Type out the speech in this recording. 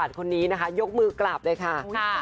พี่เรียกพี่เพราะว่าหน้าแกสวยมากจริงนะคะ